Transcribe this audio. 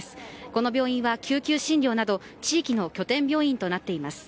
この病院は救急診療など地域の拠点病院となっています。